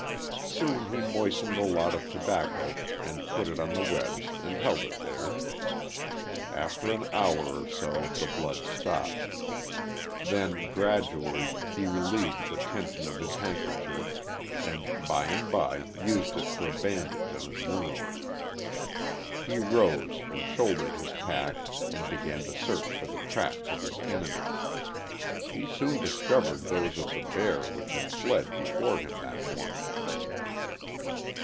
Soon he moistened a lot of tobacco and put it on the webs and held it there. After an hour or so the blood stopped. Then, gradually, he relieved the tension of his handkerchief, and by and by used it for a bandage on his wound. He rose and shouldered his pack and began to search for the tracks of his enemy. He soon discovered those of the bear which had fled before him that morning.